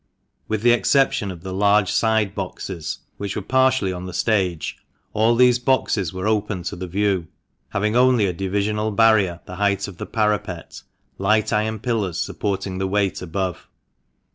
With the exception of the large side boxes, which were partially on the stage, all these boxes were open to the view, having only a divisional barrier the height of the parapet, light iron pillars supporting the weight above.